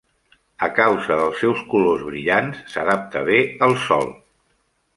A causa dels seus colors brillants, s'adapta bé al sol.